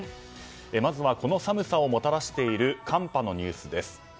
まずはこの寒さをもたらしている寒波のニュースです。